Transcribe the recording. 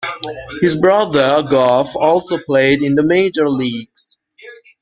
His brother Garth also played in the Major Leagues.